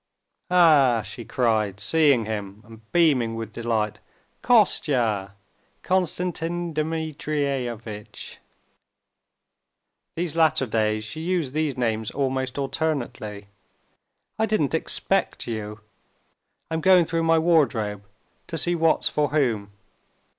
"Ah!" she cried, seeing him, and beaming with delight. "Kostya! Konstantin Dmitrievitch!" (These latter days she used these names almost alternately.) "I didn't expect you! I'm going through my wardrobe to see what's for whom...."